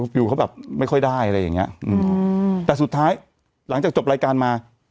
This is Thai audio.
วิวเขาแบบไม่ค่อยได้อะไรอย่างเงี้ยอืมแต่สุดท้ายหลังจากจบรายการมา